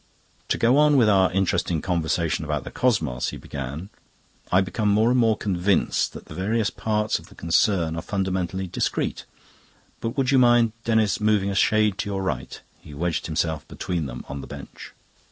"To go on with our interesting conversation about the cosmos," he began, "I become more and more convinced that the various parts of the concern are fundamentally discrete...But would you mind, Denis, moving a shade to your right?" He wedged himself between them on the bench.